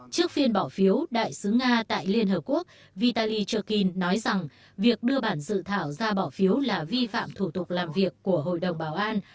trước phiên bỏ phiếu đại sứ nga tại liên hợp quốc vitali chokin nói rằng việc đưa bản dự thảo ra bỏ phiếu là vi phạm thủ tục làm việc của hội đồng bảo an